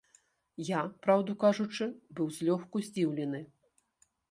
Я, праўду кажучы, быў злёгку здзіўлены.